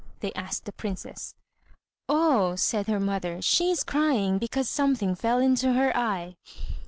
they asked the princess. "Oh," said her mother, "she is crying because something fell into her eye."